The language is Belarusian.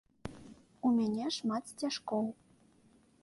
У мяне шмат сцяжкоў.